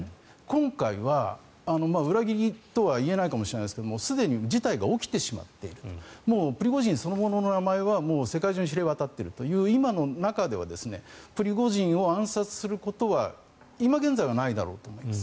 今回は、裏切りとはいえないかもしれないですけどすでに事態が起きてしまっているプリゴジンそのものの名前がもう世界中に知れ渡っているという今の状況ではプリゴジンを暗殺することは今現在はないだろうと思います。